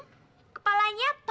siapa dari kalian yang bisa cium